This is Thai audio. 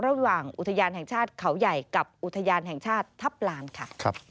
ระหว่างอุทยานแห่งชาติเขาใหญ่กับอุทยานแห่งชาติทัพลานค่ะ